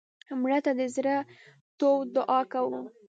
مړه ته د زړه تود دعا کوو